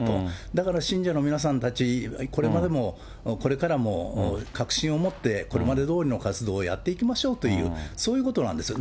だから信者の皆さんたち、これまでもこれからも、確信を持ってこれまでどおりの活動をやっていきましょうという、そういうことなんですよ。